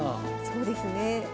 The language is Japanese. そうですね。